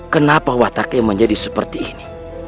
kenapa wataknya menjadi seperti ini